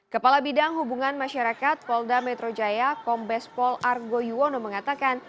kepala bidang hubungan masyarakat polda metro jaya kombes pol argo yuwono mengatakan